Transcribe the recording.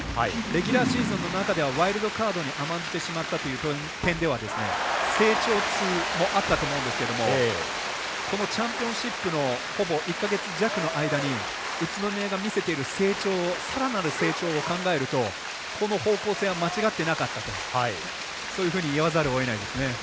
レギュラーシーズンの中ではワイルドカードに甘んじてしまったという点では成長痛もあったと思うんですがこのチャンピオンシップのほぼ１か月弱の間に宇都宮が見せているさらなる成長を考えるとこの方向性は間違っていなかったとそういうふうに言わざるをえないですね。